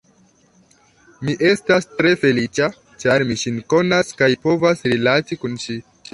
Mi estas tre feliĉa, ĉar mi ŝin konas kaj povas rilati kun ŝi.